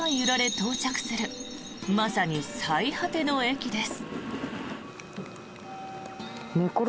到着するまさに最果ての駅です。